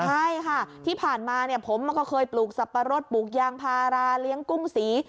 ใช่ค่ะที่ผ่านมาเนี่ยผมก็เคยปลูกสับปะรดปลูกยางพาราเลี้ยงกุ้งสี